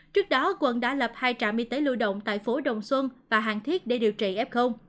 trước đó quận đã lập hai trạm y tế lưu động tại phố đồng xuân và hàng thiết để điều trị f